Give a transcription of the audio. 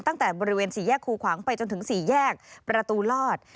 ตั้งแต่บริเวณสี่แยกคูขวางไปจนถึง๔แยกประตูลอด